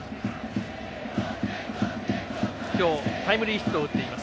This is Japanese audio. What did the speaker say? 今日、タイムリーヒットを打っています